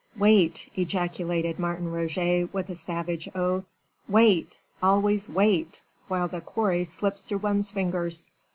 "Wait!" ejaculated Martin Roget with a savage oath, "wait! always wait! while the quarry slips through one's fingers."